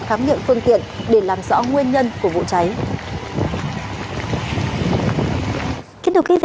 khám nghiệm phương tiện để làm rõ nguyên nhân của vụ cháy